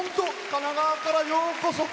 神奈川からようこそ。